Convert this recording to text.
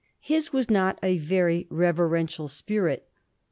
His was not a very reverential spirit.